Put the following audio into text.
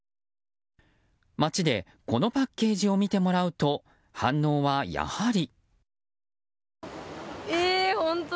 街でこのパッケージを見てもらうと反応は、やはり。